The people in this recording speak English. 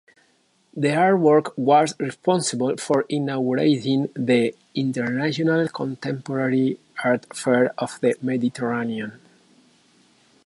The artwork was responsible for inaugurating the "International Contemporary Art Fair of the Mediterranean".